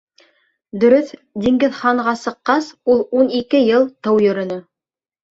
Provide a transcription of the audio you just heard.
Дөрөҫ, Диңгеҙханға сыҡҡас, ул ун ике йыл тыу йөрөнө.